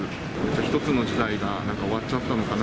一つの時代が終わっちゃったのかな。